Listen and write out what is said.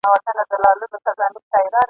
ستا قاتل سي چي دي زړه وي په تړلی ..